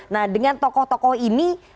nah dengan tokoh tokoh ini